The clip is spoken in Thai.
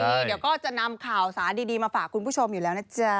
เดี๋ยวก็จะนำข่าวสารดีมาฝากคุณผู้ชมอยู่แล้วนะจ๊ะ